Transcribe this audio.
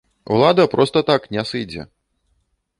Улада проста так не сыдзе.